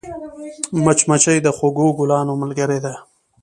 مچمچۍ د خوږو ګلونو ملګرې ده